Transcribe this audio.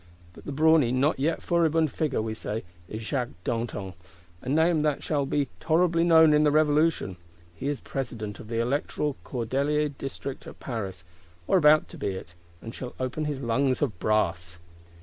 But the brawny, not yet furibund Figure, we say, is Jacques Danton; a name that shall be "tolerably known in the Revolution." He is President of the electoral Cordeliers District at Paris, or about to be it; and shall open his lungs of brass.